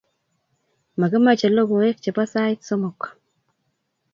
makimache lokoek che po sait somok